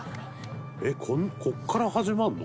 えっここから始まるの？